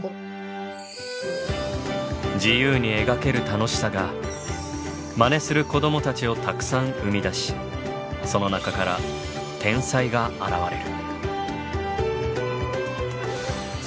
自由に描ける楽しさがまねする子どもたちをたくさん生み出しその中から天才が現れる。